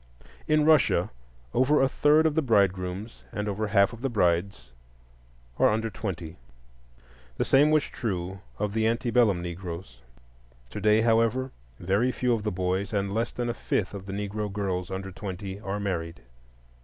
In Russia over a third of the bridegrooms and over half the brides are under twenty; the same was true of the antebellum Negroes. Today, however, very few of the boys and less than a fifth of the Negro girls under twenty are married.